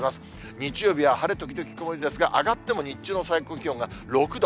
日曜日は晴れ時々曇りですが、上がっても日中の最高気温が６度。